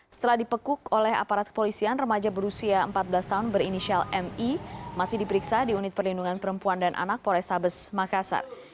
setelah dipekuk oleh aparat kepolisian remaja berusia empat belas tahun berinisial mi masih diperiksa di unit perlindungan perempuan dan anak polrestabes makassar